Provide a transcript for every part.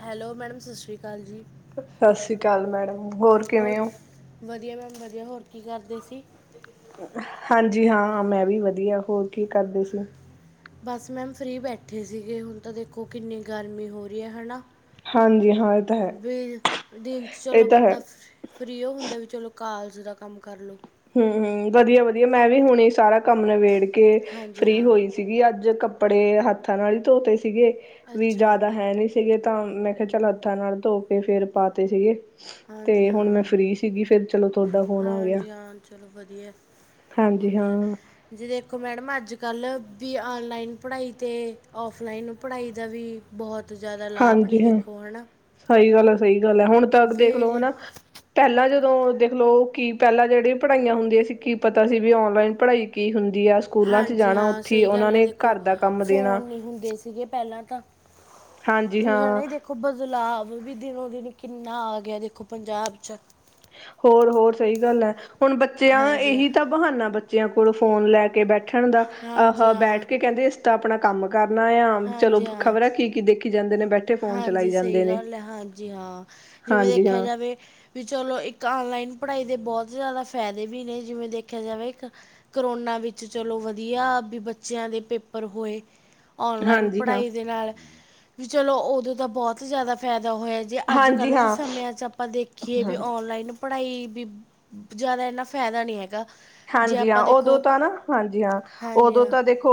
Hello, madam ਸਸ ਸ਼੍ਰੀ ਕਾਲ ਜੀ। ਸਸ ਸ੍ਰੀ ਕਾਲ ਮੈਡਮ, ਹੋਰ? ਹੋਰ ਕਿਵੇਂ ਹੋ ਵਧੀਆ ਮੈਮ ਵਧੀਆ, ਹੋਰ ਕੀ ਕਰਦੇ ਸੀ? ਹਾਂਜੀ ਹਾਂ ਮੈਂ ਵੀ ਵਧੀਆ, ਹੋਰ ਕੀ ਕਰਦੇ ਸੀ? ਬਸ ਮੈਮ ਫ੍ਰਰੀ ਬੈਠੇ ਸੀਗੇ, ਹੁਨ ਤਾਂ ਦੇਖੋ ਕਿੰਨੀ ਗਰਮੀ ਹੋ ਰੀ ਐ ਹਨਾ। ਹਾਂਜੀ ਹਾਂ ਇਹ ਤਾਂ ਹੈ ਵੀ ਦਿਨ 'ਚ ਚਲੋ ਇਹ ਤਾਂ ਹੈ ਬੰਦਾ ਫ ਫ੍ਰੀ ਓ ਹੁੰਦਾ ਵੀ ਚਲੋ ਕਾਲਜ ਦਾ ਕੰਮ ਕਰ ਲੋ। ਹੂੰ-ਹੂੰ, ਵਧੀਆ-ਵਧੀਆ ਮੈਂ ਵੀ ਹੂਣੇ ਸਾਰਾ ਕੰਮ ਨਿਬੇੜ ਕੇ ਹਾਂਜੀ ਫ੍ਰੀ ਹਾਂ ਹੋਈ ਸੀਗੀ, ਅੱਜ ਕੱਪੜੇ ਹੱਥਾਂ ਨਾਲ ਹੀ ਧੋਤੇ ਸੀਗੇ ਵੀ ਅੱਛਾ ਜਾਦਾ ਹੈ ਨੀ ਸੀਗੇ ਤਾਂ ਮੈਂ ਕੇਆ ਚੱਲ ਹੱਥਾਂ ਨਾਲ ਧੋ ਕੇ ਫੇਰ ਪਾਤੇ ਸੀਗੇ। ਤੇ ਹਾਂਜੀ ਹੁਨ ਮੈਂ ਹਾਂ ਫ੍ਰੀ ਸੀਗੀ, ਫੇਰ ਚਲੋ ਤੁਆਡਾ ਫੋਨ ਆ ਗਯਾ। ਹਾਂਜੀ ਹਾਂ ਚਲੋ ਵਧੀਆ ਹੁੰਦੀ ਹਾਂ ਆ। ਜੀ ਦੇਖੋ ਮੈਡਮ ਅੱਜ-ਕੱਲ ਵੀ ਔਨਲਾਈਨ ਪੜ੍ਹਾਈ ਤੇ ਔਫਲਾਈਨ ਪੜ੍ਹਾਈ ਦਾ ਵੀ ਬੋਹਤ ਜਾਦਾ ਲਾਭ ਨੇ ਦੇਖੋ ਹਨਾ। ਸਈ ਗੱਲ ਐ, ਸਈ ਗੱਲ ਐ, ਹੁਣ ਤਕ ਦੇਖ ਲੋ ਵੀ ਹਨਾ। ਪੈਲਾਂ ਜਦੋਂ ਦੇਖ ਲੋ, ਕੀ ਪੈਲਾਂ ਜੇੜੀ ਪੜ੍ਹਾਈਆਂ ਹੁੰਦੀਆਂ ਸੀ ਕੀ ਪਤਾ ਸੀ, ਵੀ ਔਨਲਾਈਨ ਪੜ੍ਹਾਈ ਕੀ ਹੁੰਦੀ ਆ। ਸਕੂਲਾਂ ਚ ਹਾਂਜੀ ਜਾਣਾ ਹਾਂ, ਉੱਥੇ ਸਈ ਉਹਨਾਂ ਗੱਲ ਐ ਨੇ ਦੇਖੋ ਘਰ ਦਾ ਕੰਮ ਦੇਣਾ ਫੋਨ ਨੀ ਹੁੰਦੇ ਸੀਗੇ ਪੈਲਾਂ ਤਾਂ ਹਾਂਜੀ ਵੀ ਹਣੇ ਹਾਂ ਦੇਖ ਦੇਖੋ ਬਦਲਾਵ ਵੀ ਦਿਨੋ-ਦਿਨ ਕਿੰਨਾ ਆ ਗਯਾ, ਦੇਖੋ ਪੰਜਾਬ 'ਚ। ਹੋਰ-ਹੋਰ ਸਈ ਗੱਲ ਐ, ਹੁਣ ਬੱਚੇਆਂ ਦਾ ਹਾਂਜੀ ਹਾਂ ਏਹੀ ਤਾਂ ਬਹਾਨਾ ਬੱਚੇਆਂ ਕੋਲ ਫੋਨ ਲੈ ਕੇ ਬੈਠੇ ਬੈਠਣ ਦਾ ਹਾਂਜੀ ਆਹ ਬੈਠ ਹਾਂ ਕੇ ਕੈਂਦੇ ਅਸੀ ਤਾ ਆਪਣਾ ਕੰਮ ਕਰਨਾ ਆ, ਚਲੋ ਹਾਂਜੀ ਹਾਂ ਖ਼ਬਰ ਐ ਕੀ ਕਿ ਦੇਖੀ ਜਾਂਦੇ ਨੇ ਬੈਠ ਹਾਂਜੀ ਸਈ ਗੱਲ ਐ, ਹਾਂਜੀ ਹਾਂ ਜਿਵੇਂ ਹਾਂਜੀ ਦੇਖੇਆ ਹਾਂ ਜਾਵੇ ਵੀ ਚਲੋ ਇੱਕ ਔਨਲਾਈਨ ਪੜ੍ਹਾਈ ਦੇ ਬੋਤ ਜਾਦਾ ਫ਼ੈਦੇ ਵੀ ਨੇ ਜਿਵੇਂ ਦੇਖੇਆ ਜਾਵੇ ਇੱਕ ਕਰੋਨਾ ਵਿੱਚ ਚਲੋ, ਵਧੀਆ ਵੀ ਬੱਚੇਆਂ ਦੇ ਪੇਪਰ ਹੋਏ। ਔਨਲਾਈਨ ਹਾਂਜੀ ਹਾਂ ਪੜ੍ਹਾਈ ਦੇ ਨਾਲ ਵੀ ਚਲੋ, ਓਦੋਂ ਦਾ ਬੋਤ ਜਾਦਾ ਫੈਦਾ ਹੋਏਆ। ਜੇ ਅੱਜ ਹਾਂਜੀ ਕੱਲ੍ਹ ਦੇ ਹਾਂ ਸਮਿਆਂ 'ਚ ਆਪਾਂ ਦੇਖੀਏ ਵੀ ਔਨਲਾਈਨ ਪੜ੍ਹਾਈ ਵੀ ਜਾਦਾ ਇਨਾ ਫੈਦਾ ਨੀ ਹੈਗਾ। ਜੇ ਹਾਂਜੀ ਹਾਂ ਆਪਾਂ ਓਦੋਂ ਦੇਖੋ ਤਾਂ ਨਾ, ਹਾਂਜੀ ਹਾਂ ਹਾਂਜੀ ਓਦੋਂ ਹਾਂ ਤਾਂ ਦੇਖ ਖੋ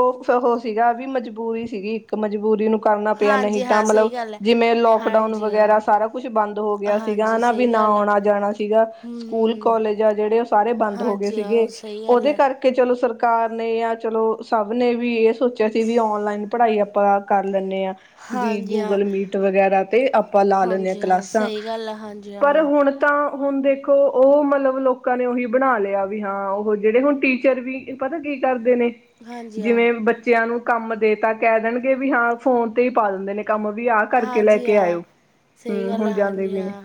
ਓ ਸੀਗਾ ਵੀ ਮਜਬੂਰੀ ਸੀਗੀ ਇੱਕ ਮਜਬੂਰੀ ਨੂੰ ਕਰਨਾ ਪਯਾ ਨਹੀਂ ਹਾਂਜੀ ਤਾਂ ਹਾਂ ਮਤਲਬ ਸਹੀ ਗੱਲ ਹੈ ਜਿਵੇਂ ਲੋਕਡਾਊਨ ਹਾਂਜੀ ਹਾਂ ਵਗੈਰਾ ਸਾਰਾ ਕੁਛ ਬੰਦ ਹੋ ਗਯਾ ਸੀਗਾ ਹਾਂਜੀ ਹਨਾ ਵੀ ਸਹੀ ਨਾ ਗੱਲ ਆ ਆਉਣਾ ਜਾਣਾ ਸੀਗਾ, ਸਕੂਲ ਹੂੰ-ਹੂੰ, ਕੋਾਲਜ ਆ ਜੇੜੇ ਓ ਸਾਰੇ ਬੰਦ ਹੋ ਗਏ ਹਾਂਜੀ ਹਾਂ, ਸੀਗੇ ਸਹੀ ਗੱਲ ਓਦੇ ਐ। ਕਰ ਕੇ ਚਲੋ ਸਰਕਾਰ ਨੇ ਯਾ ਚਲੋ ਸਭ ਨੇ ਵੀਐ ਸੋਚੇਆ ਸੀ ਵੀ ਔਨਲਾਈਨ ਪੜ੍ਹਾਈ ਆਪਾਂ ਕਰ ਲੈਨੇ ਆਂ ਵੀ ਹਾਂਜੀ ਹਾਂ, ਗੂਗਲ ਮੀਟ ਵਗੈਰਾ ਤੇ ਆਪਾਂ ਲਾ ਲੈਨੇ ਆਂ ਹਾਂਜੀ ਹਾਂ, ਕਲਾਸਾਂ ਸਹੀ ਗੱਲ ਆ, ਹਾਂਜੀ ਪਰ ਹਾਂ। ਹੁਨ ਤਾਂ ਹੁਨ ਦੇਖੋ ਓਹ ਮਲਬ ਲੋਕਾਂ ਨੇ ਓਹੀ ਬਣਾ ਲਿਆ ਵੀ ਹਾਂ ਓਹ ਜੇਹੜੇ ਹੁਨ ਟੀਚਰ ਵੀ ਪਤਾ ਕੀ ਕਰਦੇ ਨੇ ਹਾਂਜੀ ਹਾਂ, ਜਿਵੇਂ ਬੱਚੇ ਬੱਚਿਆਂ ਨੂੰ ਕੰਮ ਦੇ ਤਾਂ ਕਹਿ ਦੇਣਗੇ ਵੀ ਹਾਂ ਫੋਨ ਤੇ ਈ ਪਾ ਦੇਂਦੇ ਨੇ ਕੰਮ ਵੀ ਆਹ ਕਰਕੇ ਲੈ ਹਾਂਜੀ ਕੇ ਆਇਓ, ਹਾਂ। ਸਹੀ ਹੁੰ ਗੱਲ ਆ, ਹੁਨ ਜਾਂਦੇ ਹਾਂਜੀ ਵੀ ਨੇ ਹਾਂ।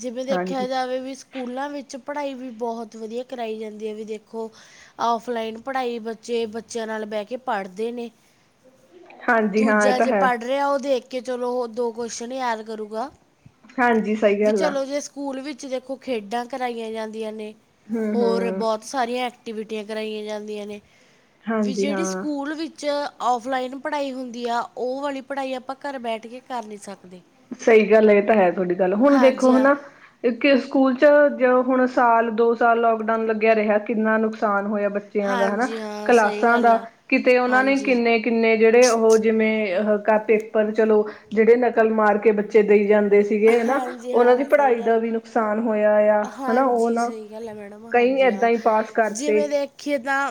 ਜਿਵੇਂ ਦੇਖਿਆ ਹਾਂਜੀ ਜਾਵੇ ਵੀ ਸਕੂਲਾਂ ਵਿੱਚ ਪੜ੍ਹਾਈ ਵੀ ਬਹੋਤ ਵਦੀਆ ਕਰਾਈ ਜਾਂਦੀ ਹੈ ਵੀ ਦੇਖੋ ਓਫਲਾਈਨ ਪੜ੍ਹਾਈ ਬੱਚੇ ਬੱਚਿਆਂ ਨਾਲ ਬਹਿ ਕੇ ਪੜ੍ਹਦੇ ਨੇ [inaudible] ਹਾਂ ਇਹ ਦੂਜਾ ਤਾਂ ਜੇ ਹੈ ਪੜ੍ਹ ਰਿਹਾ ਓਹ ਦੇਖ ਕੇ ਚਲੋ ਓ ਦੋ ਕੁਸ਼ਚਨ ਯਾਦ ਕਰੂਗਾ। ਹਾਂਜੀ, ਸਈ ਗੱਲ ਵੀ ਆ ਚਲੋ ਜੇ ਸਕੂਲ ਵਿੱਚ ਦੇਖੋ ਖੇਡਾਂ ਕਰਾਈਆਂ ਜਾਂਦੀਆਂ ਨੇ ਹਮ ਹੋਰ ਹਮ ਬਹੋਤ ਸਾਰੀਆਂ ਐਕਟੀਵਿਟੀਆਂ ਕਰਾਈਆਂ ਜਾਂਦੀਆਂ ਨੇ ਵੀ ਹਾਂਜੀ ਜੇਹੜੀ ਹਾਂ ਸਕੂਲ ਵਿੱਚ ਔਫਲਾਈਨ ਪੜ੍ਹਾਈ ਹੁੰਦੀ ਆ ਓਹ ਵਾਲੀ ਪੜ੍ਹਾਈ ਆਪਾਂ ਘਰ ਬੈਠ ਕੇ ਕਰ ਨਈ ਸਕਦੇ। ਸਈ ਗੱਲ ਏ, ਏਹ ਤਾਂ ਹੈ ਤੁਹਾਡੀ ਗੱਲ। ਹੁਨ ਹਾਂਜੀ ਦੇਖੋ ਹਾਂ ਨਾ ਪਿੱਛੇ ਸਕੂਲ ਚ ਜੋ ਹੁਨ ਸਾਲ ਦੋ ਸਾਲ ਲੋਕਡਾਊਨ ਲੱਗਿਆ ਰਿਹਾ ਕਿੰਨਾ ਨੁਕਸਾਨ ਹੋਇਆ ਬਚ ਬੱਚਿਆਂ ਦਾ ਹਨਾ, ਹਾਂਜੀ ਹਾਂ ਸਹੀ ਕਲਾਸਾਂ ਗੱਲ ਦਾ, ਆ ਕਿਤੇ ਓਹਨਾਂ ਨੇ ਹਾਂਜੀ ਕਿੰਨੇ ਕਿੰਨੇ ਜੇਹੜੇ ਓਹ ਜਿਵੇਂ ਅ ਪੇਪਰ ਚਲੋ ਜਿਹੜੇ ਨਕਲ ਮਾਰਕ ਕੇ ਬੱਚੇ ਦੇਈ ਜਾਂਦੇ ਸੀਗੇ ਹਨਾ ਹਾਂਜੀ ਓਹਨਾਂ ਦੀ ਹਾਂ ਸਹੀ ਪੜ੍ਹਾਈ ਗੱਲ ਦਾ ਵੀ ਨੁਕਸਾਨ ਹੋਇਆ ਆ ਹਨਾ ਓਹ ਹਾਂਜੀ ਨਾ ਸਹੀ ਗੱਲ ਹੈ ਮੈਡਮ ਕਈ ਏਦਾਂ ਈ ਪਾਸ ਕਰਤੇ। ਖੇਦਾਂ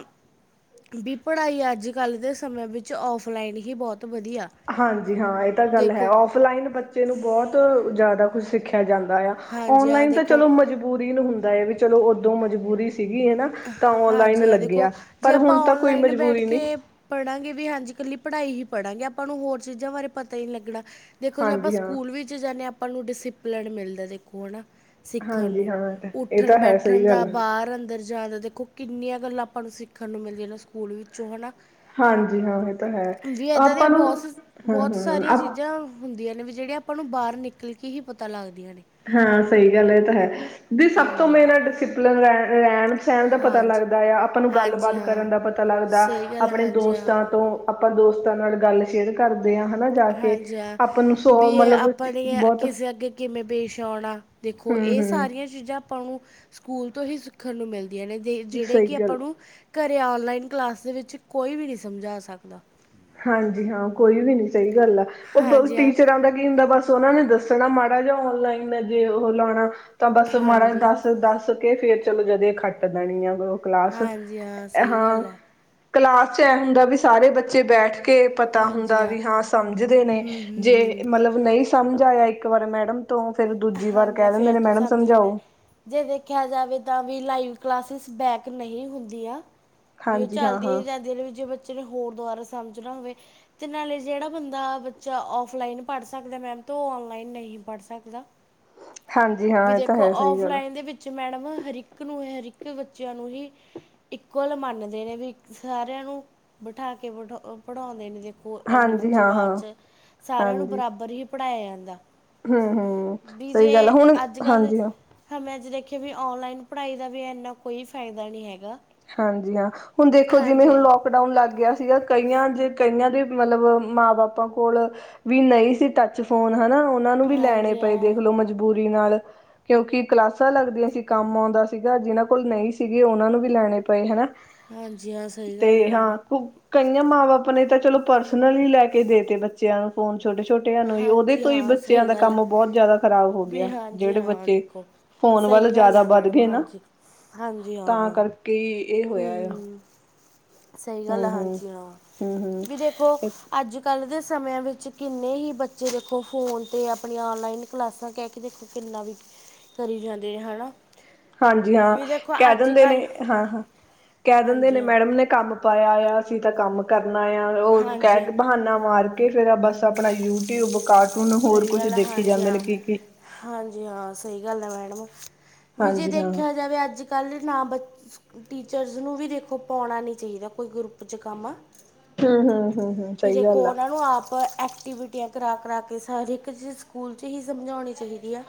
ਬੀ ਪੜ੍ਹਾਈ ਅੱਜ-ਕੱਲ ਦੇ ਸਮੇਂ ਵਿੱਚ ਔਫਲਾਈਨ ਹੀ ਬਹੋਤ ਵਦੀਆ ਹਾਂਜੀ, ਹਾਂ ਏਹ ਤਾਂ ਗੱਲ ਹੈ, ਔਫਲਾਈਨ ਬੱਚੇ ਨੂੰ ਬੋਤ ਜਿਆਦਾ ਕੁਛ ਸਿੱਖਿਆ ਜਾਂਦਾ ਆ। ਹਾਂਜੀ ਹਾਂ ਔਨਲਾਈਨ ਤਾਂ ਦੇਖੋ ਚਲੋ ਮਜਬੂਰੀ ਨੂੰ ਹੁੰਦਾ ਹੈ ਵੀ ਚਲੋ ਓਦੋਂ ਮਜਬੂਰੀ ਸੀਗੀ ਹਨਾ ਤਾਂ ਔਨਲਾਈਨ ਹਾਂਜੀ ਹਾਂ ਲੱਗਿਆ ਦੇਖੋ ਜੇ ਪਰ ਆਪਾਂ ਹੁਣ ਤਾਂ ਕੋਈ ਔਨਲਾਈਨ ਬੈਠ ਮਜਬੂਰੀ ਨਹੀਂ ਕੇ ਪੜਾਂਗੇ ਵੀ ਹਾਂਜੀ ਇਕੱਲੀ ਪੜ੍ਹਾਈ ਹੀ ਪੜਾਂਗੇ ਆਪਾਂ ਨੂੰ ਹੋਰ ਚੀਜਾਂ ਬਾਰੇ ਪਤਾ ਈ ਨਈ ਲੱਗਣਾ ਦੇਖੋ ਜੇ ਆਪਾਂ ਹਾਂਜੀ ਹਾਂ ਸਕੂਲ ਵਿੱਚ ਜਾਂਦੇ ਹਾਂ ਆਪਾਂ ਨੂੰ ਡਿਸੀਪਲੀਨ ਮਿਲਦਾ, ਦੇਖੋ ਹੈਨਾ ਸਿੱਖਣ ਹਾਂਜੀ ਨੂੰ, ਹਾਂ ਇਹ ਤਾਂ ਇਹ ਤਾਂ ਹੈ ਉੱਠਣ-ਬੈਠਣ ਸਹੀ ਗੱਲ ਦਾ ਬਾਹਰ-ਅੰਦਰ ਜਿਆਦਾ ਦੇਖੋ ਕਿੰਨੀਆਂ ਗੱਲਾਂ ਆਪਾਂ ਨੂੰ ਸਿੱਖਣ ਨੂੰ ਮਿਲਦੀਆਂ ਨੇ ਸਕੂਲ ਵਿੱਚੋਂ ਹਨਾ ਹਾਂਜੀ ਹਾਂ ਇਹ ਤਾਂ ਹੈ ਬਈ ਐਦਾਂ ਦੀਆਂ ਆਪਾਂ ਨੂੰ ਬਹੋਤ ਸ ਹਾਂ ਬਹੋਤ ਸਾਰੀਆਂ ਹਾਂ ਚੀਜਾਂ ਹੁੰਦੀਆਂ ਨੇ ਵੀ ਜੇਹੜੀਆਂ ਬੀ ਆਪਾਂ ਨੂੰ ਬਾਹਰ ਨਿਕਲ ਕੇ ਹੀ ਪਤਾ ਲੱਗਦੀਆਂ ਨੇ ਹਾਂ ਸਈ ਗੱਲ ਏ, ਏਹ ਤਾਂ ਹੈ। ਬਈ ਸਭ ਤੋਂ ਹਾਂਜੀ ਹਾਂ। ਮੇਨ ਮਤਲਬ ਰਹਿਣ ਰਹਿਣ-ਸਹਿਣ ਦਾ ਪਤਾ ਹਾਂਜੀ ਲੱਗਦਾ ਆ, ਆਪਾਂ ਨੂੰ ਹਾਂਜੀ ਗੱਲਬਾਤ ਹਾਂ ਕਰਨ ਦਾ ਪਤਾ ਲੱਗਦਾ- ਸਹੀ ਗੱਲ ਹੈ, ਆਪਣੇ ਹਾਂਜੀ ਹਾਂ ਦੋਸਤਾਂ ਤੋਂ ਆਪਾਂ ਦੋਸਤਾਂ ਨਾਲ ਗੱਲ ਸ਼ੇਅਰ ਕਰਦੇ ਹਾਂ, ਹਨਾ ਜਾ ਕੇ ਹਾਂਜੀ ਹਾਂ, ਆਪਾਂ ਨੂੰ ਬੀ ਸੌ ਮਤਲਬ ਆਪਣੀ ਬਹੁਤ ਕਿਸੇ ਅੱਗੇ ਕਿਵੇਂ ਪੇਸ਼ ਔਣਾ, ਦੇਖੋ ਹਮ ਏਹ ਹਮ ਸਾਰੀਆਂ ਚੀਜਾਂ ਆਪਾਂ ਨੂੰ ਸਕੂਲ ਤੋਂ ਹੀ ਸਿੱਖਣ ਨੂੰ ਮਿਲਦੀਆਂ ਨੇ ਜ ਜੇਹੜੇ ਸਹੀ ਕਿ ਗੱਲ ਆਪਾਂ ਨੂੰ ਘਰ ਔਨਲਾਈਨ ਕਲਾਸ ਦੇ ਵਿੱਚ ਕੋਈ ਵੀ ਨਈ ਸਮਝਾ ਸਕਦਾ। ਹਾਂਜੀ ਹਾਂ, ਕੋਈ ਵੀ ਨੀ ਸਈ ਗੱਲ ਆ। ਓਹਦੋਂ ਹਾਂਜੀ ਹਾਂ ਟੀਚਰਾਂ ਦਾ ਕੀ ਹੁੰਦਾ ਬਸ ਓਹਨਾ ਨੇ ਦੱਸਣਾ ਮਾੜਾ ਜਾ ਔਨਲਾਈਨ ਜੇ ਓਹ ਲੌਣਾ ਤਾਂ ਬਸ ਮਾੜਾ ਜਾ ਹਾਂਜੀ ਦੱਸ ਤੇ ਦੱਸ ਕੇ ਫੇਰ ਚਲੋ ਜਦੇ ਖੱਟ ਲੈਣੀ ਏ ਓਹ ਕਲਾਸ ਹਾਂਜੀ ਹਾਂ ਐ ਸਹੀ ਹਾਂ ਗੱਲ ਹੈ ਕਲਾਸ ਚ ਐ ਹੁੰਦਾ ਬੀ ਸਾਰੇ ਬੱਚੇ ਬੈਠ ਕੇ ਪਤਾ ਹੁੰਦਾ ਵੀ ਹਾਂ ਸਮਝਦੇ ਨੇ, ਹੂੰ ਹੂੰ ਜੇ ਹੂੰ ਮਲਬ ਨੂਈ ਸਮਝ ਆਇਆ ਇੱਕ ਵਾਰ ਮੈਡਮ ਤੋਂ ਫੇਿਰ ਦੂਜੀ ਵਾਰ ਹਾਂਜੀ ਕਹਿ ਦਿੰਦੇ ਫੇਰ ਨੇ ਤੂੰ ਮੈਡਮ ਸਮਝ ਰਹੇ ਨੇ ਸਮਝਾਓ ਜੇ ਦੇਖਿਆ ਜਾਵੇ ਤਾਂ ਵੀ ਲਾਈਵ ਕਲਾਸਿਸ ਬੈਕ ਨਹੀਂ ਹੁੰਦੀਆਂ ਵੀ, ਉਹ ਹਾਂਜੀ ਹਾਂ ਚੱਲਦੀਆਂ ਹਾਂ ਹੀ ਜਾਂਦੀਆਂ ਨੇ, ਵੀ ਜੇ ਬੱਚੇ ਨੇ ਹੋਰ ਦੁਆਰਾ ਸਮਝਣਾ ਹੋਵੇ। ਤੇ, ਨਾਲੇ ਜਿਹੜਾ ਬੰਦਾ ਬੱਚਾ ਔਫਲਾਈਨ ਪੜ੍ਹ ਸਕਦਾ ਮੈਮ, ਤਾਂ ਉਹ ਔਨਲਾਈਨ ਨਹੀਂ ਪੜ੍ਹ ਸਕਦਾ। ਹਾਂਜੀ ਵੀ, ਹਾਂ ਇਹ ਤਾਂ ਦੇਖੋ ਹੈ ਸਹੀ ਗੱਲ ਆਫਲਾਈਨ ਦੇ ਵਿੱਚ ਮੈਡਮ, ਹਰਿਕ ਨੂੰ ਹਰਿਕ ਬੱਚਿਆਂ ਨੂੰ ਹੀ। ਇਕੁਅਲ ਮੰਨਦੇ ਨੇ, ਵੀ ਸਾਰਿਆਂ ਨੂੰ ਬਿਠਾ ਕੇ ਪੜ੍ਹਾਉਂਦੇ ਨੇ। ਇੰਨੀ ਹਾਂਜੀ ਉੱਚੀ ਹਾਂ ਆਵਾਜ਼ ਹਾਂ ਚ ਸਾਰਿਆਂ ਨੂੰ, ਬਰਾਬਰ ਹੀ ਪੜ੍ਹਾਇਆ ਜਾਂਦਾ। ਹੂੰ- ਹੂੰ! ਸਹੀ ਗੱਲ ਆ, ਹੁਣ ਹਾਂਜੀ ਹਾਂ। ਮੈਂ ਅੱਜ ਦੇਖਿਆ ਵੀ, ਔਨਲਾਈਨ ਪੜ੍ਹਾਈ ਦਾ ਵੀ ਇੰਨਾ ਕੋਈ ਫਾਇਦਾ ਨਹੀਂ ਹੈਗਾ। ਹਾਂਜੀ ਹਾਂ, ਹੁਣ ਦੇਖੋ ਜਿਵੇਂ ਹਾਂਜੀ ਹੁਣ ਹਾਂ ਲੋਕ- ਡਾਊਨ ਲੱਗ ਗਿਆ ਸੀਗਾ। ਕਈਆਂ ਜੇ, ਕਈਆਂ ਦੇ, ਮਤਲਬ ਮਾਂ ਬਾਪਾਂ ਕੋਲ- ਵੀ ਨਹੀਂ ਸੀ, ਟੱਚ ਫੋਨ ਹੈਨਾ। ਉਹਨਾਂ ਨੂੰ ਵੀ ਲੈਣੇ ਹਾਂਜੀ ਪਏ ਦੇਖ ਹਾਂ ਲੋ, ਮਜਬੂਰੀ ਨਾਲ। ਕਿਉਂਕਿ ਕਲਾਸਾਂ ਲੱਗਦੀਆਂ ਸੀ, ਕੰਮ ਆਉਂਦਾ ਸੀਗਾ। ਜਿਨਾਂ ਕੋਲ ਨਹੀਂ ਸੀਗੇ। ਉਹਨਾਂ ਨੂੰ ਵੀ ਲੈਣੇ ਪਏ ਹੈਨਾ। ਹਾਂਜੀ ਹਾਂ ਸਹੀ ਗੱਲ ਤੇ ਹੈ ਹਾਂ, ਮੈਡਮ ਕਈਆਂ ਮਾਂ ਬਾਪ ਨੇ ਤਾਂ ਚਲੋ, ਪਰਸਨਲੀ ਲੈ ਕੇ ਦੇ ਤੇ ਬ- ਬੱਚਿਆਂ ਨੂੰ ਫੋਨ ਛੋਟੇ ਛੋਟਿਆਂ ਨੂੰ ਹੀ, ਉਹਦੇ ਹਾਂਜੀ ਤੋਂ ਹੀ ਹਾਂ ਬੱਚਿਆਂ ਸਹੀ ਦਾ ਕੰਮ ਬਹੁਤ ਜਿਆਦਾ ਖ਼ਰਾਬ ਹੋ ਗਿਆ। ਜੀ ਜਿਹੜੇ ਹਾਂ, ਬੱਚੇ ਦੇਖੋ ਫੋਨ ਵੱਲ ਸਹੀ ਗੱਲ ਜ਼ਿਆਦਾ ਹੈ। ਵੱਧ ਮੈਡਮ, ਗਏ ਹਾਂਜੀ- ਹਾਂਜੀ ਹਾਂ। ਕੀ ਇਹ ਹੋਇਆ ਆ। ਹੂੰ ਸਹੀ ਗੱਲ ਹੈ। ਹੂੰ-ਹੂੰ, ਹਾਂਜੀ ਹਾਂ, ਹੂੰ-ਹੂੰ, ਵੀ ਦੇਖੋ ਅੱਜ- ਕੱਲ ਦੇ ਸਮਿਆਂ ਵਿੱਚ ਕਿੰਨੇ ਹੀ ਬੱਚੇ ਦੇਖੋ, ਫੋਨ ਤੇ ਆਪਣੀਆਂ ਔਨਲਾਈਨ ਕਲਾਸਾਂ ਕਹਿ ਕੇ ਦੇਖੋ। ਕਿਨਾ ਵੀ, ਕਰੀ ਜਾਂਦੇ ਹੈਨਾ। ਹਾਂਜੀ ਹਾਂ, ਕਹਿ ਦਿੰਦੇ ਨੇ ਹਾਂ- ਹਾਂ ਕਹਿ ਦਿੰਦੇ ਹਾਂਜੀ ਨੇ, ਹਾਂ ਮੈਡਮ ਨੇ ਕੰਮ- ਪਾਇਆ ਆ। ਅਸੀਂ ਤਾਂ ਕੰਮ ਕਰਨਾ ਆ, ਉਹ ਹਾਂਜੀ ਕਹਿ ਹਾਂ ਕੇ ਬਹਾਨਾ ਮਾਰ- ਕੇ ਫੇਰ ਬੱਸ ਆਪਣਾ ਯੂਟਿਊਬ, ਕਾਰਟੂਨ, ਹੋਰ ਸਹੀ ਕੁਛ ਗੱਲ ਹੈ ਦੇਖੀ ਹਾਂਜੀ ਜਾਂਦੇ ਨੇ, ਹਾਂ ਕਿ -ਕੀ ਹਾਂਜੀ ਹਾਂ, ਸਹੀ ਗੱਲ ਹੈ ਮੈਡਮ, ਵੀ ਜੇ ਹਾਂਜੀ ਹਾਂ, ਦੇਖਿਆ ਜਾਵੇ ਅੱਜ- ਕੱਲ ਨਾ ਬ ਟੀਚਰਸ ਨੂੰ ਵੀ ਦੇਖੋ, ਪਾਉਣਾ ਨੀ ਚਾਹੀਦਾ। ਕੋਈ ਗਰੁੱਪ ਚ ਕੰਮ- ਹੂੰ -ਹੂੰ ਵੀ ਦੇਖੋ, ਉਹਨਾਂ ਨੂੰ ਆਪ ਐਕਟੀਵਿ- ਵੀਆਂ ਕਰਾ -ਕਰਾ ਕੇ, ਹਰ ਇੱਕ ਚੀਜ਼ ਸਕੂਲ ਚ ਹੀ ਸਮਝਾਉਣੀ ਚਾਹੀਦੀ ਏ।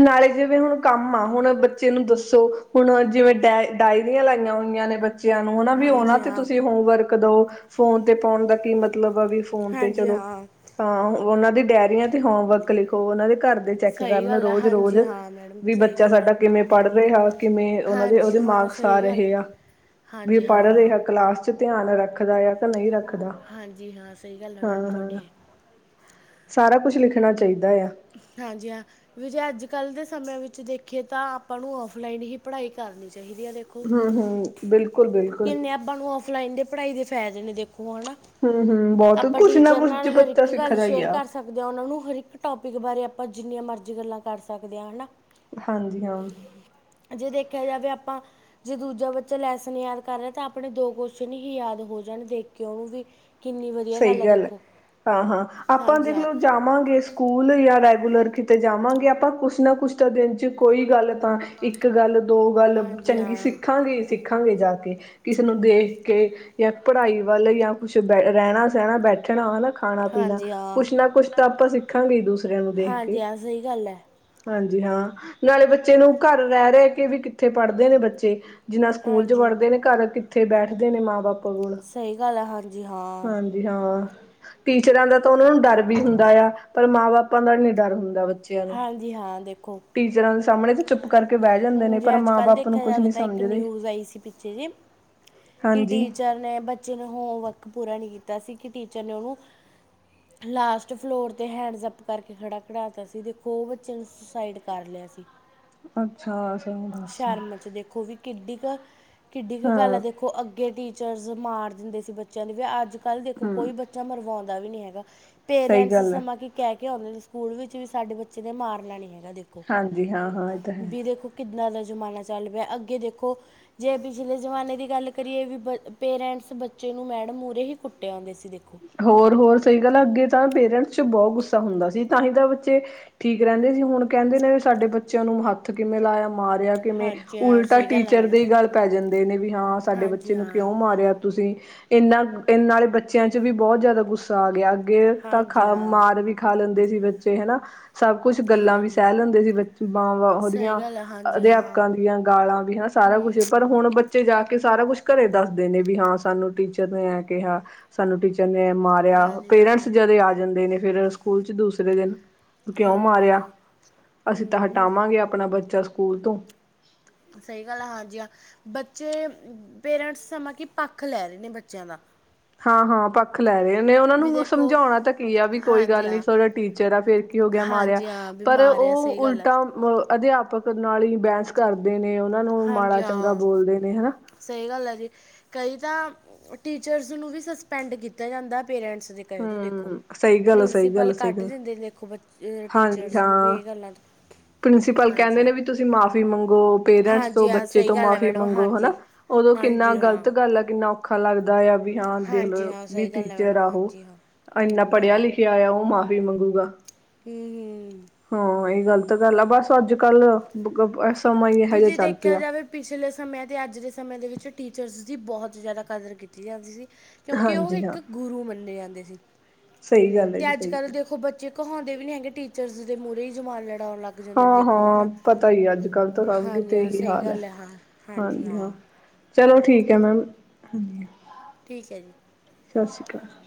ਨਾਲੇ ਜਿਵੇਂ ਹੁਣ ਕੰਮ ਆ, ਹੁਣ ਬੱਚੇ ਨੂੰ ਦੱਸੋ, ਹੁਣ ਜਿਵੇਂ ਡਾਇ ਡਾਇਰੀਆਂ ਲਾਈਆਂ ਹੋਈਆਂ ਨੇ, ਬ- ਚਿਆਂ ਨੂੰ ਨਾ ਵੀ, ਉਹਨਾਂ ਹਾਂਜੀ ਤੇ ਹਾਂ ਤੁਸੀਂ ਹੋਮਵਰਕ ਦੋ, ਫੋਨ ਤੇ ਪਾਉਣ ਦਾ, ਕੀ ਮਤਲਬ ਆ, ਵੀ ਫੋਨ ਤੇ ਹਾਂਜੀ ਚਲੋ। ਹਾਂ ਹਾਂ। ਉਹਨਾਂ ਦੀ ਡਾਇਅਰੀਆਂ ਤੇ ਹੋਮਵਰਕ ਲਿਖੋ, ਉਹਨਾਂ ਦੇ ਘਰ ਦੇ ਚੈੱਕ ਸਹੀ ਕਰਲੇ ਣ। ਗੱਲ ਹੈ ਰੋਜ਼ -ਰੋਜ਼ ਹਾਂਜੀ ਹਾਂ ਮੈਡਮ ਵੀ ਸਹੀ ਬੱਚਾ ਗੱਲ ਹੈ ਸਾਡਾ ਕਿਵੇਂ ਪੜ੍ਹ ਰਿਹਾ, ਕਿਵੇਂ ਉਹਨਾਂ ਦੇ ਹਾਂਜੀ ਉਹਦੇ ਹਾਂ ਮਾਰਕਸ ਆ ਸਹੀ ਗੱਲ ਰਹੇ ਹੈ ਆ। ਵੀ ਹਾਂਜੀ ਪੜ੍ਹ ਹਾਂ ਰਿਹਾ, ਕਲਾਸ ਚ ਧਿਆਨ ਰੱਖਦਾ ਆ। ਤਾਂ ਨਹੀਂ ਰੱਖਦਾ। ਹਾਂਜੀ ਹਾਂ ਸਹੀ ਗੱਲ ਹੈ ਹਾਂ ਮੈਡਮ -ਹਾਂ ਤੁਹਾਡੀ ਸਾਰਾ ਕੁਛ, ਲਿਖਣਾ ਚਾਹੀਦਾ ਆ। ਹਾਂਜੀ ਹਾਂ। ਵੀ ਜੇ ਅੱਜ ਕੱਲ ਦੇ ਸਮੇਿਆਂ ਵਿੱਚ ਦੇਖੀਏ ਤਾਂ, ਆਪਾਂ ਨੂੰ ਔਫਲਾਈਨ ਹੀ ਪੜ੍ਹਾਈ ਕਰਨੀ ਚਾਹੀਦੀ ਏ। ਹੂੰ-ਹੂੰ ਬਿਲਕੁਲ ਬਿਲਕੁਲ। ਤੁਹਾਨੂੰ ਔਫਲਾਈਨ ਦੇ, ਪੜ੍ਹਾਈ ਦੇ ਫਾਇਦੇ ਨੇ, ਦੇਖੋ ਔਨਾ। ਹੂੰ ਹੂੰ ਬਹੁਤ ਆਪਾਂ ਕੁਛ ਨਾ ਟੀਚਰ ਕੁਛ ਨਾਲ, ਹਰ ਬੱਚਾ ਇੱਕ ਗੱਲ ਸਿੱਖਦਾ ਹੀ ਸ਼ੇਅਰ ਆ। ਕਰ ਸਕ। ਦ ਉਹਨਾਂ ਨੂੰ ਹਰਿਕ ਟੋਪਿਕ ਬਾਰੇ, ਆਪਾਂ ਜਿੰਨੀਆਂ ਮਰਜ਼ੀ ਗੱਲਾਂ ਕਰ ਸਕਦੇ ਹਾਂ ਹੈਨਾ। ਹਾਂਜੀ ਹਾਂ। ਜੇ ਦੇਖਿਆ ਜਾਵੇ ਆਪਾਂ- ਜੇ ਦੂਜਾ ਬੱਚਾ ਲੈਸਨ ਯਾਦ ਕਰ ਰਿਹਾ, ਤਾਂ ਆਪਣੇ ਦੋ ਕੋਸ਼ਚਨ ਹੀ ਯਾਦ ਹੋ ਜਾਣ, ਦੇਖ ਕੇ ਉਹਨੂੰ ਵੀ। ਕਿੰਨੀ ਵਧੀਆ ਸਹੀ ਆ ਗੱਲ ਐ, ਦੇਖੋ ਹਾਂ-ਹਾਂ ਆਪਾਂ ਹਾਂਜੀ ਦੇਖ ਹਾਂ ਲਓ ਜਾਵਾਂਗੇ। ਸਕੂਲ ਯਾ ਰੈਗੂਲਰ ਕਿਤੇ ਜਾਵਾਂਗੇ, ਆਪਾਂ ਕੁਛ ਨਾ ਕੁਛ ਤਾਂ, ਦਿਨ 'ਚ ਕੋਈ ਗੱਲ ਤਾਂ। ਇੱਕ ਗੱਲ ਦੋ ਗੱਲ ਹਾਂਜੀ ਚੰਗੀ ਹਾਂ ਸਿੱਖਾਂਗੇ ਸਿੱਖਾਂਗੇ ਜਾ ਕੇ ਕਿਸੇ ਨੂੰ ਦੇਖ ਕੇ ਜਾਂ ਪੜ੍ਹਾਈ ਵੱਲ ਜਾਂ ਕੁਛ ਬ ਰਹਿਣਾ ਸਹਿਣਾ ਬੈਠਣਾ ਹੈਨਾ ਖਾਣਾ ਪੀਣਾ ਹਾਂਜੀ ਹਾਂ ਕੁਛ ਨਾ ਕੁਛ ਤਾਂ ਆਪਾਂ ਸਿੱਖਾਂਗੇ ਦੂਸਰਿਆਂ ਨੂੰ ਦੇਖ ਕੇ ਹਾਂਜੀ ਹਾਂ ਸਹੀ ਗੱਲ ਹੈ ਹਾਂਜੀ ਹਾਂ ਨਾਲੇ ਬੱਚੇ ਨੂੰ ਘਰ ਰਹਿ-ਰਹਿ ਕੇ ਵੀ ਕਿੱਥੇ ਪੜ੍ਹਦੇ ਨੇ ਬੱਚੇ ਜਿੰਨਾ ਸਕੂਲ ਚ ਹਾਂਜੀ ਪੜਦੇ ਨੇ ਘਰ ਅ ਕਿੱਥੇ ਬੈਠਦੇ ਨੇ ਮਾਂ ਬਾਪ ਕੋਲ ਸਹੀ ਗੱਲ ਏ, ਹਾਂਜੀ ਹਾਂ ਹਾਂਜੀ ਹਾਂ ਟੀਚਰਾਂ ਦਾ ਤਾਂ ਉਹਨਾਂ ਨੂੰ ਡਰ ਵੀ ਹੁੰਦਾ ਆ, ਪਰ ਮਾਂ ਬਾਪਾਂ ਦਾ ਨੀ ਡਰ ਹੁੰਦਾ ਬੱਚੇ ਹਾਂਜੀ ਹਾਂ ਦੇਖੋ ਟੀਚਰਾਂ ਦੇ ਸਾਹਮਣੇ ਤੇ ਚੂਪ ਕਰਕੇ ਬਹਿ ਜਾਂਦੇ ਹੁਣ ਨੇ, ਪਰ ਜੇ ਅੱਜ ਮਾਂ ਕੱਲ੍ਹ ਬਾਪ ਨੂੰ ਦੇਖਿਆ ਕੁਛ ਜਾਵੇ ਨੀ ਤਾਂ ਇੱਕ ਸਮਝਦੇ ਨਿਊਜ਼ ਆਈ ਸੀ ਪਿੱਛੇ ਜੇ ਕਿ ਹਾਂਜੀ ਟੀਚਰ ਨੇ ਬੱਚੇ ਨੇ ਹੋਮਵਰਕ ਪੂਰਾ ਨਹੀਂ ਕੀਤਾ ਸੀ ਕਿ ਟੀਚਰ ਨੇ ਉਹਨੂੰ ਲਾਸਟ ਫਲੋਰ 'ਤੇ ਹੈਂਡਜ਼ਅੱਪ ਕਰਕੇ ਖੜ੍ਹਾ ਕਢਾਤਾ ਸੀ ਦੇਖੋ ਉਹ ਬੱਚੇ ਨੂੰ ਸੁਸਾਈਡ ਕਰ ਲਿਆ ਸੀ, ਅੱਛਾ ਅੱਛਾ ਦੱਸ ਸ਼ਰਮ ਚ ਦੇਖੋ ਵੀ ਕਿੱਡੀ ਕ ਕਿੱਡੀ ਕੁ ਗੱਲ ਐ, ਹਾਂ ਦੇਖੋ ਅੱਗੇ ਟੀਚਰਸ ਮਾਰ ਦਿੰਦੇ ਸੀ ਬੱਚਿਆਂ ਲਈ ਵੀ ਅੱਜ ਕੱਲ੍ਹ ਦੇਖੋ ਹਮ ਕੋਈ ਬੱਚਾ ਮਰਵਾਉਂਦਾ ਵੀ ਨਹੀਂ ਹੈਗਾ ਸਹੀ ਪੇਰੈਂਟਸ ਗੱਲ ਹੈ ਸਮਾਂ ਕਿ ਕਹਿ ਕੇ ਆਉਂਦੇ ਨੇ ਸਕੂਲ ਵਿੱਚ ਵੀ ਸਾਡੇ ਬੱਚੇ ਦੇ ਮਾਰਨਾ ਨੀ ਹੈਗਾ ਦੇਖੋ, ਹਾਂਜੀ ਹਾਂ ਹਾਂ ਇਹ ਤਾਂ ਹੈ ਵੀ ਦੇਖੋ ਕਿੰਦਾ ਦਾ ਜਮਾਨਾ ਚਲ ਪੇਆ, ਅਗੇ ਦੇਖੋ ਜੇ ਤੁਸੀ ਪਿਛਲੇ ਜਮਾਨੇ ਦੀ ਗਲ ਕਰੀਏ ਵੀ ਬ ਪੇਰੈਂਟਸ ਬੱਚੇ ਨੂੰ ਮੈਡਮ ਮੂਹਰੇ ਹੀ ਕੁੱਟੇ ਆਉਂਦੇ ਸੀ ਦੇਖੋ ਹੋਰ ਹੋਰ ਸਹੀ ਗੱਲ, ਅੱਗੇ ਤਾਂ ਪੇਰੈਂਟਸ ਚ ਬਹੁਤ ਗੁੱਸਾ ਹੁੰਦਾ ਸੀ, ਤਾਂ ਹੀ ਤਾਂ ਬੱਚੇ ਠੀਕ ਰਹਿੰਦੇ ਸੀ ਹੁਣ ਕਹਿੰਦੇ ਨੇ ਵੀ ਸਾਡੇ ਬੱਚਿਆਂ ਨੂੰ ਹੱਥ ਕਿਵੇਂ ਲਾਇਆ ਮਾਰਿਆ ਕਿਵੇਂ ਹਾਂਜੀ ਹਾਂ ਉਲਟਾ ਸਹੀ ਗੱਲ ਹੈ ਟੀਚਰ ਮੈਡਮ ਦੇ ਹੀ ਗੱਲ ਪੈ ਜਾਂਦੇ ਨੇ, ਵੀ ਹਾਂ ਸਾਡੇ ਹਾਂਜੀ ਬੱਚੇ ਨੂੰ ਹਾਂ ਕਿਉਂ ਮਾਰਿਆ ਤੁਸੀਂ ਇਹਨਾਂ ਇਹ ਨਾਲੇ ਬੱਚਿਆਂ ਚ ਵੀ ਬਹੁਤ ਜ਼ਿਆਦਾ ਗੁੱਸਾ ਆ ਗਿਆ, ਅੱਗੇ ਤਾਂ ਹਾਂਜੀ ਖਾ ਹਾਂ ਮਾਰ ਵੀ ਖਾ ਲੈਂਦੇ ਸੀ ਬੱਚੇ ਹੈਨਾ, ਸਭ ਕੁਛ ਗੱਲਾਂ ਵੀ ਹਾਂਜੀ ਸਹਿ ਲੈਂਦੇ ਸੀ, ਬ ਮਾਂਵਾੰ ਸਹੀ ਉਹਦੀਆਂ ਗੱਲ ਹੈ ਹਾਂਜੀ ਹਾਂ ਅਧਿਆਪਕਾਂ ਦੀਆਂ ਗਾਲਾਂ ਵੀ ਹੈਨਾ ਸਾਰਾ ਹੂੰ ਕੁਛ ਪਰ ਹੁਣ ਬ ਬੱਚੇ ਜਾ ਕੇ ਸਾਰਾ ਕੁਛ ਘਰੇ ਦੱਸਦੇ ਨੇ ਵੀ ਹਾਂ ਸਾਨੂੰ ਟੀਚਰ ਨੇ ਐ ਕਿਹਾ ਸਾਨੂੰ ਟੀਚ ਬ ਨੇ ਮਾਰਿਆ ਹਾਂਜੀ ਹਾਂ ਪੇਰੈਂਟਸ ਜਦੇ ਆ ਜਾਂਦੇ ਨੇ ਫਿਰ ਸਕੂਲ ਚ ਦੂਸਰੇ ਦਿਨ ਕਿਉਂ ਹਾਂਜੀ ਮਾਰਿਆ ਹਾਂ ਅਸੀਂ ਤਾਂ ਹੂੰ ਹੂੰ ਹਟਾਵਾਂਗੇ ਆਪਣਾ ਬੱਚਾ ਸਕੂਲ ਤੋਂ ਸਹੀ ਗੱਲ ਐ, ਹਾਂਜੀ ਹਾਂ ਬੱਚੇ ਪੇਰੈਂਟਸ ਸਮਾਂ ਕਿ ਪੱਖ ਲੈ ਰਹੇ ਨੇ ਬੱਚਿਆਂ ਦਾ ਹਾਂ ਹਾਂ ਪ ਲੈ ਰਹੇ ਨੇ ਉਹਨਾਂ ਵੀ ਨੂੰ ਦੇਖੋ ਸਮਝਾਉਣਾ ਤਾਂ ਕੀ ਆ ਵੀ ਕੋਈ ਹਾਂਜੀ ਗੱਲ ਨੀ ਹਾਂ ਟੀਚਰ ਆ ਫਿਰ ਕੀ ਹੋ ਗਿਆ ਮਾਰਿਆ ਹਾਂਜੀ ਹਾਂ ਵੀ ਪਰ ਮਾਰਿਆ ਉਹ ਸਹੀ ਗੱਲ ਹੈ ਉਲਟਾ ਅ ਅਧਿਆਪਕ ਨਾਲ ਹੀ ਬਹਿਸ ਕਰਦੇ ਨੇ ਉਹਨਾਂ ਨੂੰ ਮਾੜਾ ਹਾਂਜੀ ਚੰਗਾ ਹਾਂ ਬੋਲਦੇ ਨੇ ਹੈਨਾ ਸਹੀ ਗੱਲ ਐ ਜੀ ਕਈ ਤਾਂ ਟੀਚਰਸ ਨੂੰ ਵੀ ਸਸਪੈਂਡ ਕੀਤਾ ਜਾਂਦਾ ਪੇਰੈਂਟਸ ਦੇ ਕਰੇ ਤੂੰ ਦੇਖੋ ਹੂੰ ਸਹੀ ਗੱਲ ਆ, ਸਹੀ ਗੱਲ ਪ੍ਰਿੰਸੀਪਲ ਆ, ਸਹੀ ਕੱਢ ਗੱਲ ਦਿੰਦੇ ਦੇਖੋ ਬ ਇਹ ਹਾਂਜੀ ਟੀਚਰਸ ਨੂੰ ਵੀ ਹਾਂ ਇਹ ਗੱਲਾਂ ਤੋ, ਪ੍ਰਿੰਸੀਪਲ ਹਾਂਜੀ ਕਹਿੰਦੇ ਹਾਂ ਨੇ ਵੀ ਤੁਸੀਂ ਮਾਫ਼ੀ ਮੰਗੋ ਪੇਰੈਂਟਸ ਤੋਂ ਹਾਂਜੀ ਹਾਂ ਬੱਚੇ ਸਹੀ ਤੋਂ ਗੱਲ ਹੈ ਮਾਫ਼ੀ ਮੈਡਮ ਮੰਗੋ ਹਨਾ ਹਾਂਜੀ ਉਦੋਂ ਕਿੰਨਾ ਹਾਂਜੀ ਹਾਂ ਗ਼ਲਤ ਗੱਲ ਆ ਕਿੰਨਾ ਔਖਾ ਲੱਗਦਾ ਐ ਵੀ ਹਾਂ ਦੇਖ ਹਾਂਜੀ ਲਓ ਹਾਂ ਵੀ ਸਹੀ ਗੱਲ ਹੈ ਟੀਚਰ ਮੈਡਮ ਆਹੋ ਹਾਂਜੀ ਹਾਂ ਇੰਨਾ ਹਾਂਜੀ ਹਾਂ ਪੜ੍ਹਿਆ ਲਿਖਿਆ ਕਿ ਆਇਆ ਉਹ ਮਾਫ਼ੀ ਮੰਗੂਗਾ ਹੰ ਹੰ ਹਾਂ ਇਹ ਗਲਤ ਗੱਲ ਆ ਬਸ ਅੱਜ ਕੱਲ ਸਮਾਂ ਇਹੋ ਵੀ ਜਿਹਾ ਜੇ ਚੱਲ ਦੇਖਿਆ ਪੇਆ ਜਾਵੇ ਪਿਛਲੇ ਸਮੇਂ ਅਤੇ ਅੱਜ ਦੇ ਸਮੇਂ ਦੇ ਵਿੱਚ ਟੀਚਰਸ ਦੀ ਬਹੁਤ ਜ਼ਿਆਦਾ ਕਦਰ ਕੀਤੀ ਜਾਂਦੀ ਸੀ ਕਿਉਂਕਿ ਉਹ ਹਾਂਜੀ ਹਾਂ ਇੱਕ ਗੁਰੂ ਮੰਨੇ ਜਾਂਦੇ ਸੀ, ਸਹੀ ਗੱਲ ਹੈ ਜੀ ਤੇ ਅੱਜ ਸਹੀ ਕੱਲ੍ਹ ਗੱਲ ਦੇਖੋ ਬੱਚੇ ਕਹਾਉਦੇ ਵੀ ਨੀ ਹੈਗੇ ਟੀਚਰ ਦੇ ਮੂਹਰੇ ਹੀ ਜੁਬਾਨ ਲੜਾਉਣ ਲੱਗ ਜਾਂਦੇ ਨੇ ਹਾਂ ਦੇਖੋ ਹੈ -ਹਾਂ, ਨਾ ਪਤਾ ਹੀ ਅੱਜ ਕੱਲ ਤਾਂ ਸਭ ਹਾਂਜੀ ਕੀਤੇ ਹਾਂ ਇਹੀ ਸਹੀ ਹਾਲ ਹੈ, ਗੱਲ ਹਾਂ ਹਾਂ ਹਾਂਜੀ ਜੀ ਹਾਂ ਚਲੋ ਠੀਕ ਏ ਮੈਮ, ਹਾਂਜੀ ਠੀਕ ਹੈ ਜੀ ਸਤਿ ਸ੍ਰੀ ਅਕਾਲ